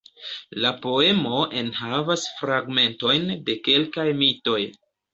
La poemo enhavas fragmentojn de kelkaj mitoj.